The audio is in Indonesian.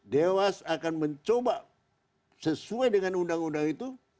dewas akan mencoba sesuai dengan undang undang itu